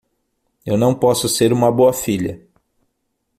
Eu não posso ser uma boa filha.